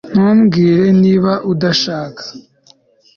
Ntumbwire niba udashaka